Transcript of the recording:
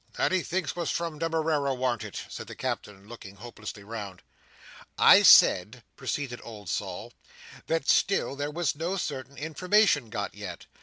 "That he thinks was from Demerara, warn't it!" said the Captain, looking hopelessly round. "—I said," proceeded old Sol, "that still there was no certain information got yet.